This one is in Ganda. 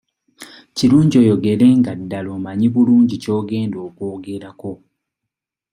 Kirungi oyogere nga ddala omanyi bulungi ky'ogenda okwogerako.